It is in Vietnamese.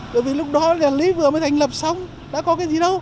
bởi vì lúc đó nhà lý vừa mới thành lập xong đã có cái gì đâu